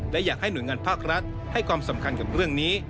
และอยากให้หน่วยงานภาครัฐให้ความสำคัญกับเรื่องนี้